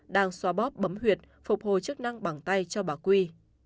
đang xóa bóp bấm huyệt phục hồi chức năng bằng tay cho bà quy